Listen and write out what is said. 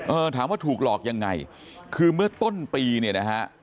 ถามว่าถูกหลอกยังไงคือเมื่อต้นปีเนี่ยนะฮะ